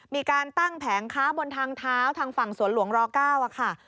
มีการตั้งแผงค้าบนทางเท้าทางฝั่งสวนหลวงร๙ค่ะ